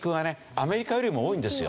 アメリカよりも多いんですよ